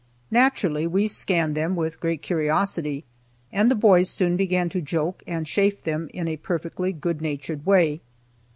Naturally, we scanned them with great curiosity, and the boys soon began to joke and chaff them in a perfectly good natured way.